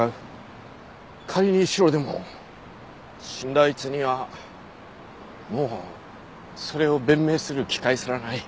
仮にシロでも死んだあいつにはもうそれを弁明する機会すらない。